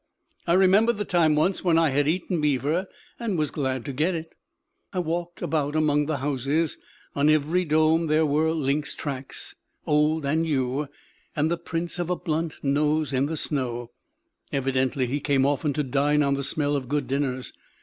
I remembered the time once when I had eaten beaver, and was glad to get it. I walked about among the houses. On every dome there were lynx tracks, old and new, and the prints of a blunt nose in the snow. Evidently he came often to dine on the smell of good dinners.